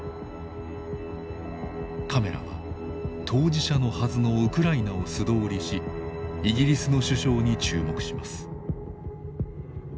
カメラは当事者のはずのウクライナを素通りしイギリスの首相に注目します。